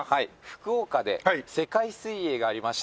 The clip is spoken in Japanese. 福岡で世界水泳がありまして。